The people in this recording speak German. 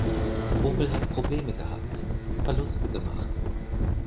Opel hat Probleme gehabt, Verluste gemacht.